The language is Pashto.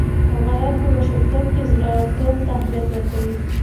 افغانان په مشرتوب کې زړه ورتوب ته اهميت ورکوي.